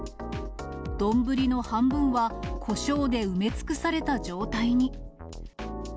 丼の半分はこしょうで埋め尽くされた状態に。